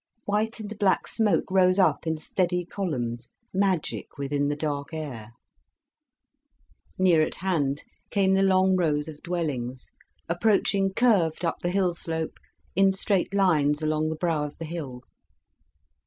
White and black smoke rose up in steady columns, magic within the dark air. Near at hand came the long rows of dwellings, approaching curved up the hill slope, in straight lines along the brow of the hill.